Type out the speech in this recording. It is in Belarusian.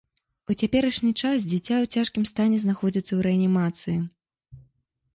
У цяперашні час дзіця ў цяжкім стане знаходзіцца ў рэанімацыі.